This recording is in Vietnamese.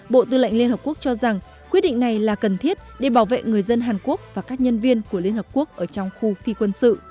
bộ tư lệnh liên hợp quốc cho rằng quyết định này là cần thiết để bảo vệ người dân hàn quốc và các nhân viên của liên hợp quốc ở trong khu phi quân sự